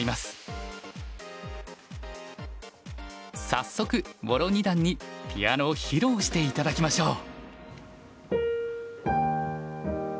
早速茂呂二段にピアノを披露して頂きましょう。